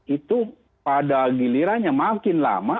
itu pada gilirannya makin lama